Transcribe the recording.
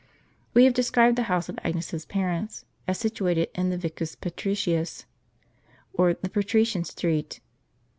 * We have described the house of Agnes's parents as situ ated in the Vicus Patricius, or the Patrician street.